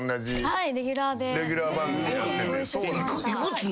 はい。